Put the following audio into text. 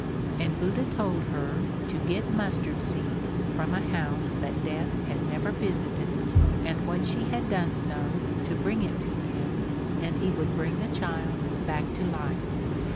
And Buddha told her to get mustard seed from a house that Death had never visited and when she had done so to bring it to him and he would bring the child back to life.